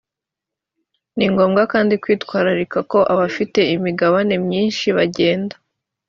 ni ngombwa kandi kwitwararika ko abafite imigabane myinshi bagenda